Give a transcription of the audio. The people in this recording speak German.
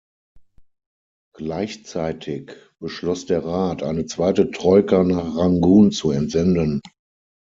Gleichzeitig beschloss der Rat, eine zweite Troika nach Rangun zu entsenden.